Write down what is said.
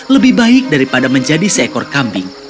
lebih baik daripada menjadi seekor kambing